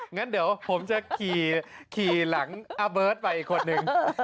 งั้นเดี๋ยวผมจะขี่หลังอาเบิร์ตไปอีกคนนึง